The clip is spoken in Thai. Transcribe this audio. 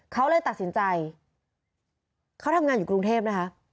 เขาเลยตัดสินใจเขาทำงานอยู่กรุงเทพนะคะ